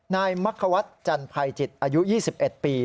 นายมัฆวัฒน์จันพัยจิตอายุ๒๑ปี